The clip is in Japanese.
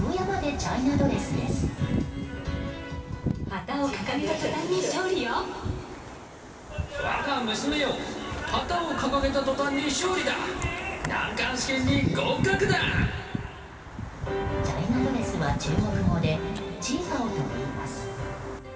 チャイナドレスは中国語でチーパオといいます。